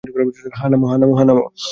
হ্যাঁ, নামো।